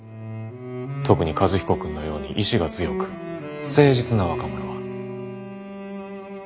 特に和彦君のように意志が強く誠実な若者は。